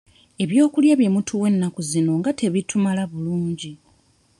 Ebyokulya bye mutuwa ennaku zino nga tebitumala bulungi?